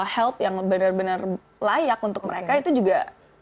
help yang benar benar layak untuk mereka itu juga